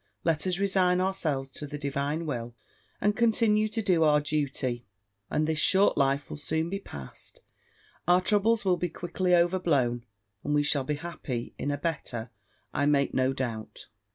Let us resign ourselves to the Divine will, and continue to do our duty, and this short life will soon be past. Our troubles will be quickly overblown; and we shall be happy in a better, I make no doubt."